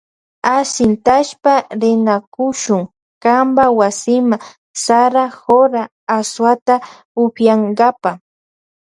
Ashintashpa rinakushun kanpa wasima sara jora asuwata upiyankapa.